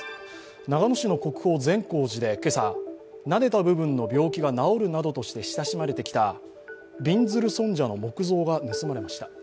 長野市の国宝・善光寺で今朝なでた部分の病気が治るとして親しまれてきたびんずる尊者の木像が盗まれました。